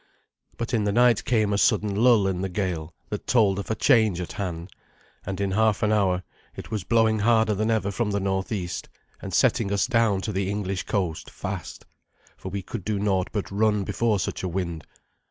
But in the night came a sudden lull in the gale that told of a change at hand, and in half an hour it was blowing harder than ever from the northeast, and setting us down to the English coast fast, for we could do naught but run before such a wind.